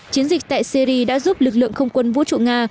chiến dịch tại syri đã giúp lực lượng không quân vũ trụ nga